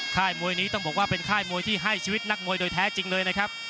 มวยนี้ต้องบอกว่าเป็นค่ายมวยที่ให้ชีวิตนักมวยโดยแท้จริงเลยนะครับ